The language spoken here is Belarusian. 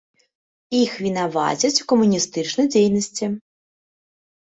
Іх вінавацяць у камуністычнай дзейнасці.